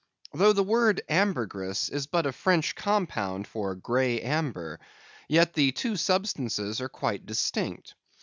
Though the word ambergris is but the French compound for grey amber, yet the two substances are quite distinct.